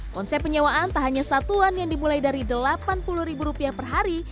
konsep penyewaan tak hanya satuan yang dimulai dari delapan puluh ribu rupiah per hari